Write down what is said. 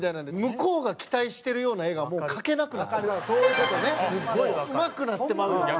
向こうが期待してるような絵がもう描けなくなってます。